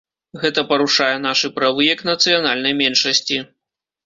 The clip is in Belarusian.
Гэта парушае нашы правы як нацыянальнай меншасці.